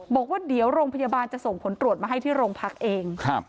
บอกว่าเดี๋ยวโรงพยาบาลจะส่งผลตรวจมาให้ที่โรงพักเอง